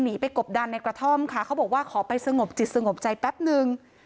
หนีไปกบดันในกระท่อมค่ะเขาบอกว่าขอไปสงบจิตสงบใจแป๊บนึง